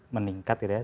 meningkat gitu ya